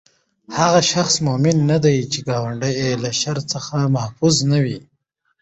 هغه شخص مؤمن نه دی، چې ګاونډی ئي له شر څخه محفوظ نه وي